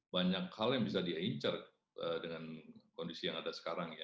banyak hal yang bisa di incer dengan kondisi yang ada sekarang ya